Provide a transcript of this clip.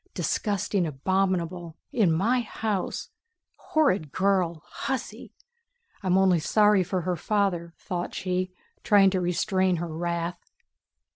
"Disgusting, abominable... In my house... horrid girl, hussy! I'm only sorry for her father!" thought she, trying to restrain her wrath.